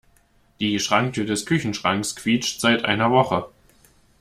Die Schranktür des Küchenschranks quietscht seit einer Woche.